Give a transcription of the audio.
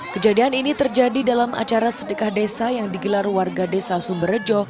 kejadian ini terjadi dalam acara sedekah desa yang digelar warga desa sumberjo